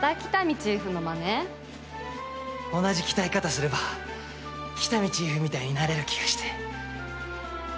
同じ鍛え方すれば喜多見チーフみたいになれる気がして。